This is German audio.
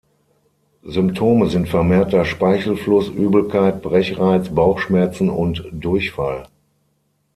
Symptome sind vermehrter Speichelfluss, Übelkeit, Brechreiz, Bauchschmerzen und Durchfall.